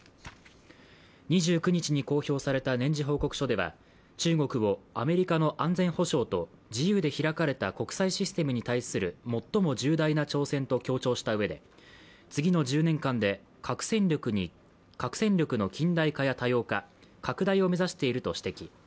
２９日に公表された年次報告書では中国をアメリカの安全保障と自由で開かれた国際システムに対する最も重大な挑戦と強調したうえで次の１０年間で核戦力の近代化や多様化、拡大を目指していると指摘。